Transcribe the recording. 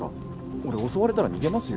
俺襲われたら逃げますよ。